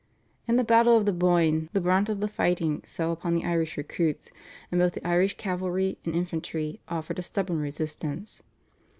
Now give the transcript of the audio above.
In the battle of the Boyne the brunt of the fighting fell upon the Irish recruits, and both the Irish cavalry and infantry offered a stubborn resistance.